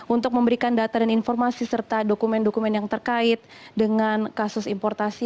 untuk memberikan data dan informasi serta dokumen dokumen yang terkait dengan kasus importasi